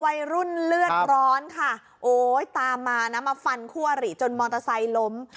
วัยรุ่นเลือดร้อนค่ะโอ้ยตามมานะมาฟันคู่อริจนมอเตอร์ไซค์ล้ม